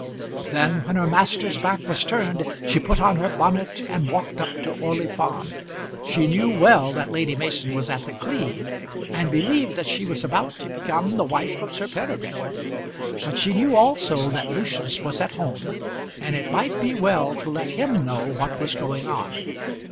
Then, when her master's back was turned, she put on her bonnet and walked up to Orley Farm. She knew well that Lady Mason was at The Cleeve, and believed that she was about to become the wife of Sir Peregrine; but she knew also that Lucius was at home, and it might be well to let him know what was going on.